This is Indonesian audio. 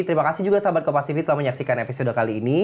terima kasih juga sahabat kapasifi telah menyaksikan episode kali ini